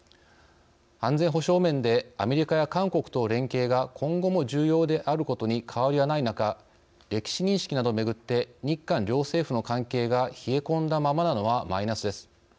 安全保障面でアメリカや韓国との連携が今後も重要であることに変わりはない中歴史認識などをめぐって日韓両政府の関係が冷え込んだままなのはマイナスです。